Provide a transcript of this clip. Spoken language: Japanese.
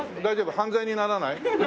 犯罪にならない？